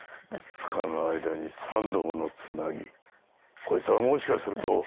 ２日の間に３度ものつなぎこいつはもしかすると。